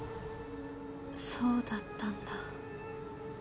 そうだったんだ。